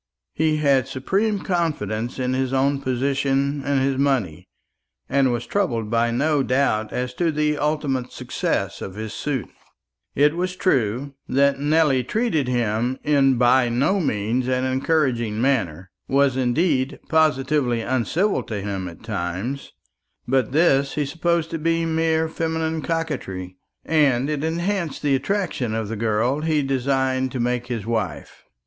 He had supreme confidence in his own position and his money, and was troubled by no doubt as to the ultimate success of his suit. It was true that Nelly treated him in by no means an encouraging manner was, indeed, positively uncivil to him at times; but this he supposed to be mere feminine coquetry; and it enhanced the attractions of the girl he designed to make his wife.